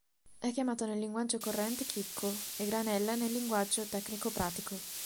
È chiamato nel linguaggio corrente "chicco", e "granella" nel linguaggio tecnico-pratico.